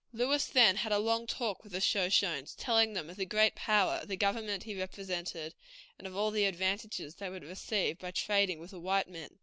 Lewis then had a long talk with the Shoshones, telling them of the great power of the government he represented, and of the advantages they would receive by trading with the white men.